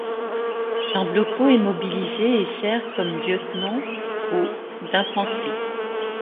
Jean Blocquaux est mobilisé et sert comme lieutenant au d'infanterie.